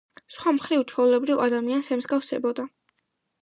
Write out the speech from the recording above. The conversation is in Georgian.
სხვა მხრივ ჩვეულებრივ ადამიანს ემსგავსებოდა.